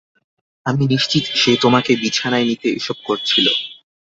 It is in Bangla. আমি নিশ্চিত সে তোমাকে বিছানায় নিতে এসব করছিল।